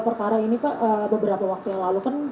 perkara ini pak beberapa waktu yang lalu kan